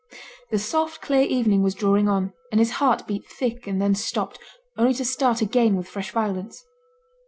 The soft clear evening was drawing on, and his heart beat thick, and then stopped, only to start again with fresh violence.